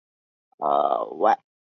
也会打鼓和演奏贝斯。